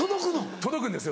届くんですよ